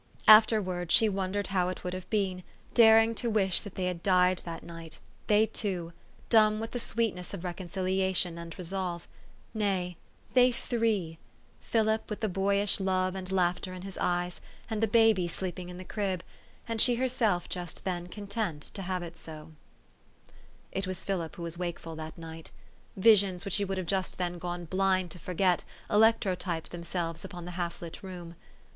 Afterwards she wondered how it would have been, daring to wish that they had died that night, they two, dumb with the sweetness of reconciliation and resolve ; nay, they three, Philip with the boyish love and laughter in his eyes, and the baby sleeping in the crib, and she herself just then content to have it so. THE STORY OF AVIS. 309 It was Philip who was wakeful that night. Visions which he would just then have gone blind to forget, electrotyped themselves upon the half lit room.